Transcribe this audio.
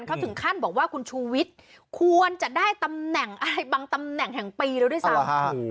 เขาถึงขั้นบอกว่าคุณชูวิทย์ควรจะได้ตำแหน่งอะไรบางตำแหน่งแห่งปีแล้วด้วยซ้ำ